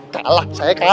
kalah saya kalah